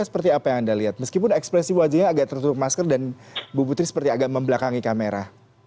seperti apa yang anda lihat meskipun ekspresi wajahnya agak tertutup masker dan bu putri seperti agak membelakangi kamera